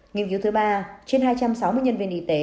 nghiên cứu thứ ba trên hai trăm sáu mươi nhân viên y tế